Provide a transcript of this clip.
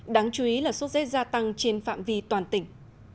đáng chú ý là số z gia tăng trên phạm vi toàn tỉnh